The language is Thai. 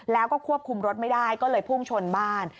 แล้วก็ควบคุมรถไม่ได้ก็เลยพุ่งชนบ้าน